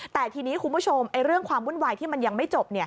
แต่ทีนี้คุณผู้ชมเรื่องความวุ่นวายที่มันยังไม่จบ